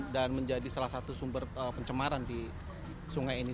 dan menjadi salah satu sumber pencemaran di sungai ini